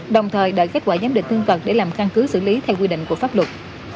đồng thời đợi kết quả giám định thương tật để làm căn cứ xử lý theo quy định của pháp luật